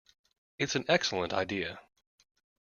It's an excellent idea.